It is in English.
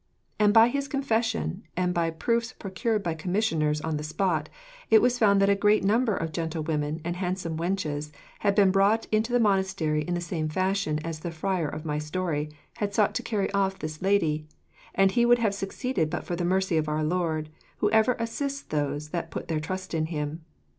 And by his confession and by proofs procured by commissioners on the spot, it was found that a great number of gentlewomen and handsome wenches had been brought into the monastery in the same fashion as the friar of my story had sought to carry off this lady; and he would have succeeded but for the mercy of Our Lord, who ever assists those that put their trust in Him.